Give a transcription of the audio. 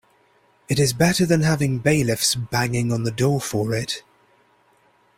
It is better than having bailiffs banging on the door for it.